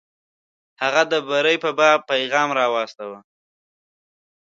هغه د بري په باب پیغام واستاوه.